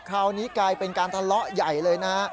คราวนี้กลายเป็นการทะเลาะใหญ่เลยนะฮะ